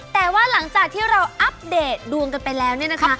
แต่ว่าหลังจากที่เราอัปเดตดวงกันไปแล้วเนี่ยนะคะ